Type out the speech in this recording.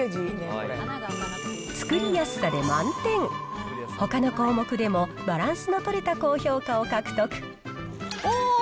作りやすさで満点、ほかの項目でもバランスの取れた高評価を獲得。